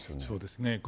そうですね。